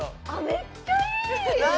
めっちゃいい！